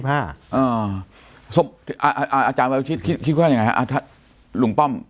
อ่านอาจารย์ทรายวัลคิดว่าอย่างไงครับอาทัคหลุงป้อม